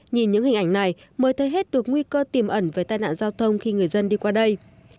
nhìn những hình ảnh này mới thấy hết được nguy cơ tiềm ẩn về tai nạn giao thông khi người dân đi qua đây